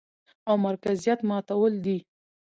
او مرکزيت ماتول دي،